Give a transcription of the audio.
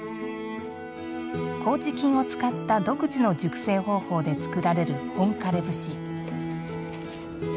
こうじ菌を使った独自の熟成方法で作られる本枯節。